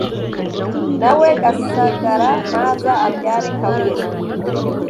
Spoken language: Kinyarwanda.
na we gasagara naza abyare kavuna